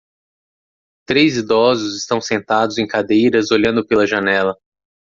Três idosos estão sentados em cadeiras olhando pela janela.